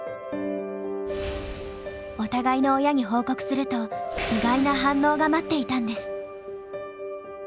お互いの親に報告すると意外な反応が待っていたんです。